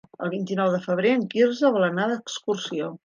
El vint-i-nou de febrer en Quirze vol anar d'excursió.